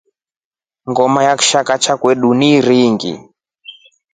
Ngoma ya kishakaa cha kwa motu ni iringi.